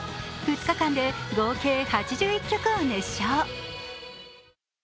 ２日間で合計８１曲を熱唱。